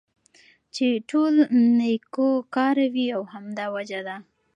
چې ټول نيكو كاره وي او همدا وجه ده